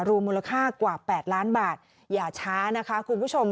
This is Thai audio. มูลค่ากว่า๘ล้านบาทอย่าช้านะคะคุณผู้ชม